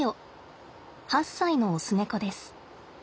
８歳のオス猫です。